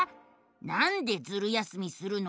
「なんでズル休みするの？